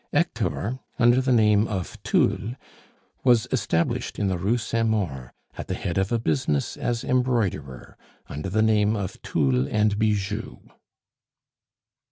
Hector, under the name of Thoul, was established in the Rue Saint Maur, at the head of a business as embroiderer, under the name of Thoul and Bijou.